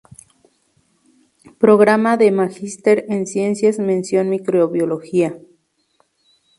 Programa de Magister en Ciencias mención Microbiología